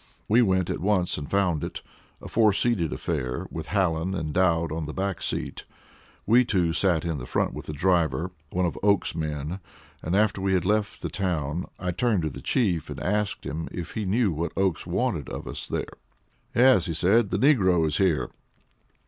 We went at once and found it, a four seated affair, with Hallen and Dowd on the back seat. We two sat in front with the driver one of Oakes's men; and after we had left the town I turned to the Chief and asked him if he knew what Oakes wanted of us. "Yes," said he; "the negro is here."